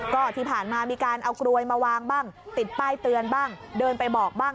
ก็ที่ผ่านมามีการเอากลวยมาวางบ้างติดป้ายเตือนบ้างเดินไปบอกบ้าง